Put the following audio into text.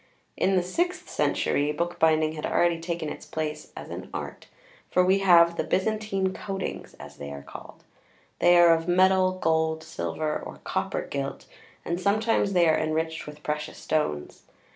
In the sixth century, bookbinding had already taken its place as an "Art," for we have the "Byzantine coatings," as they are called. They are of metal, gold, silver or copper gilt, and sometimes they are enriched with precious stones.